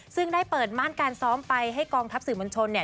ซึ่งได้เปิดม่านการซ้อมไปให้กองทัพสื่อมวลชนเนี่ย